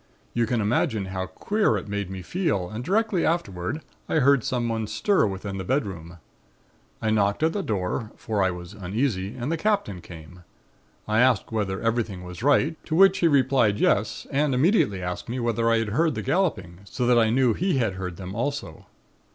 You can imagine how queer it made me feel and directly afterward, I heard someone stir within the bedroom. I knocked at the door, for I was uneasy, and the Captain came. I asked whether everything was right; to which he replied yes, and immediately asked me whether I had heard the galloping, so that I knew he had heard them also.